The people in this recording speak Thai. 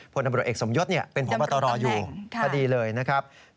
ผลตำรวจเอกสมยศเป็นพบตอยู่คดีเลยนะครับพบตแห่ง